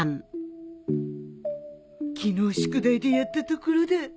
昨日宿題でやったところだ